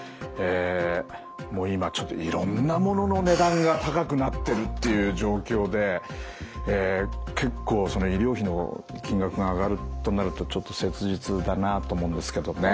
もう今ちょっといろんな物の値段が高くなってるっていう状況で結構医療費の金額が上がるとなるとちょっと切実だなと思うんですけどね。